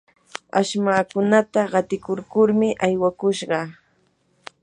ashmankunata qatikurkurmi aywakushqa.